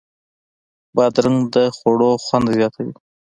بادرنګ د خوړو خوند زیاتوي.